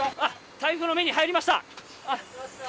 台風の目に入りました。